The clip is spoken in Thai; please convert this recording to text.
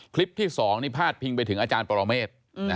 คลิปที่๒นี่พาดพิงไปถึงอาจารย์ปรเมฆ